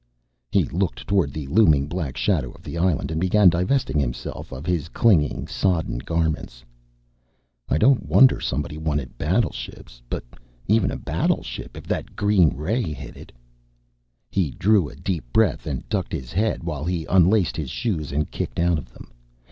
He looked toward the looming black shadow of the island, and began divesting himself of his clinging, sodden garments. "I don't wonder somebody wanted battleships. But even a battleship, if that green ray hit it " He drew a deep breath and ducked his head while he unlaced his shoes and kicked out of them.